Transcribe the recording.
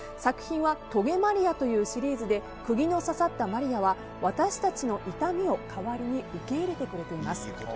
「棘マリア」というシリーズでクギの刺さったマリアは私たちの痛みを代わりに受け入れてくれています。